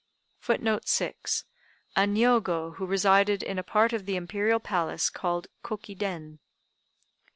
] [Footnote 6: A Niogo who resided in a part of the Imperial palace called "Koki den."